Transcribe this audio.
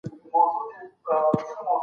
بېکارۍ د خلکو ژوند ډېر سخت کړی دی.